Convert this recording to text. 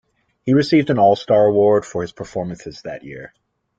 He received an All Star award for his performances that year.